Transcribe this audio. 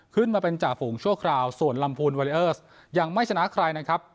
ขึ้นมาเป็นจ่าฝูงชั่วคราวส่วนลำพูนวาริเออร์สยังไม่ชนะใครนะครับ